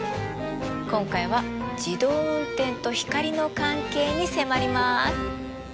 今回は自動運転と光の関係に迫ります！